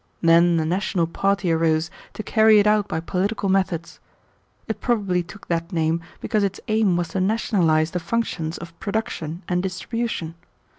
Then the national party arose to carry it out by political methods. It probably took that name because its aim was to nationalize the functions of production and distribution.